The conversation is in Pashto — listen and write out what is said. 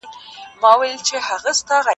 په محدود ډول ملکیت اجازه لري.